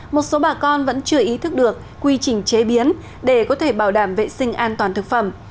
một số bà con vẫn chưa ý thức được quy trình chế biến để có thể bảo đảm vệ sinh an toàn thực phẩm